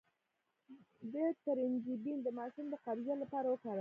د ترنجبین د ماشوم د قبضیت لپاره وکاروئ